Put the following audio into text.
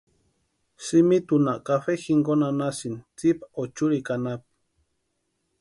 Simitunha cafe jinkoni anhasïni tsipa o churikwa anapu.